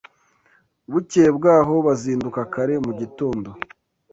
Bukeye bwaho bazinduka kare mu gitondo